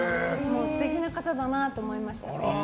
素敵な方だなと思いましたね。